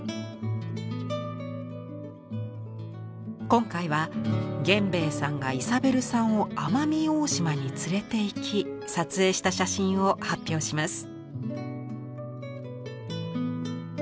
今回は源兵衛さんがイサベルさんを奄美大島に連れていき撮影した写真を発表します。